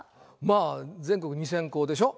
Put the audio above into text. まあ全国２，０００校でしょ。